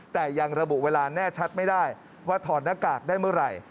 แต่ยังระบุเวลาแน่ชัดไม่ได้ว่าถอดหน้ากากได้เมื่อไหร่